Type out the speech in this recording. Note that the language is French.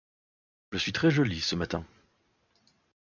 Je suis très jolie ce matin.